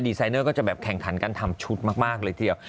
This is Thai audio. ไซเนอร์ก็จะแบบแข่งขันการทำชุดมากเลยทีเดียว